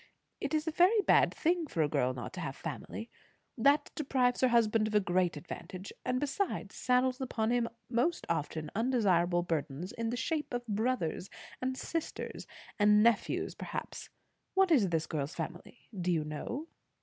It is a very bad thing for a girl not to have family. That deprives her husband of a great advantage; and besides, saddles upon him often most undesirable burdens in the shape of brothers and sisters, and nephews perhaps. What is this girl's family, do you know?"